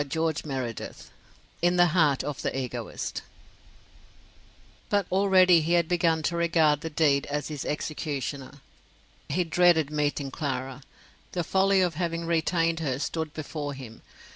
CHAPTER XXXIX IN THE HEART OF THE EGOIST But already he had begun to regard the deed as his executioner. He dreaded meeting Clara. The folly of having retained her stood before him.